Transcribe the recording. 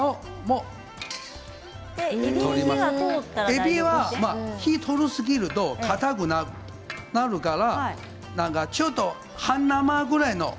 えびは火が通り過ぎるとかたくなるからちょっと半生ぐらいの。